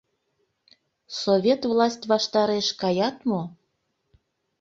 Совет власть ваштареш каят мо?